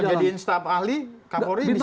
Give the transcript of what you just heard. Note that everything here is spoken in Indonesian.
kalau dijadiin setiap ahli kak pauli bisa juga